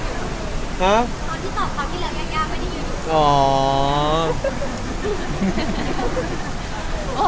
ตอนที่ตอบคำที่เหลืออย่างยาวไม่ได้ยืนอยู่